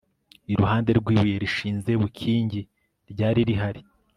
iruhande rw'ibuye rishinze bukingi ryari rihari